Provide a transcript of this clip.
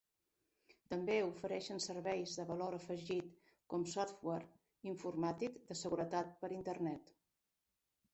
També ofereixen serveis de valor afegit com software informàtic de seguretat per Internet.